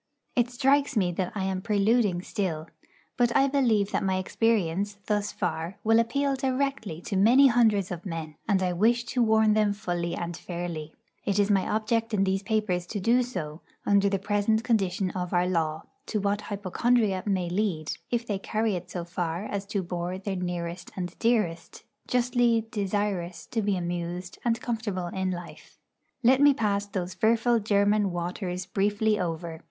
It strikes me that I am preluding still. But I believe that my experience, thus far, will appeal directly to many hundreds of men; and I wish to warn them fully and fairly it is my object in these papers to do so under the present condition of our law, to what hypochondria may lead, if they carry it so far as to bore their nearest and dearest, justly desirous to be amused and comfortable in life. Let me pass those fearful German waters briefly over.